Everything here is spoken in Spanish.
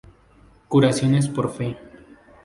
Curaciones por fe.